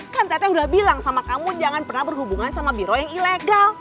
kan tete udah bilang sama kamu jangan pernah berhubungan sama biro yang ilegal